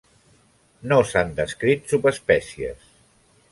No s'han descrit subespècies.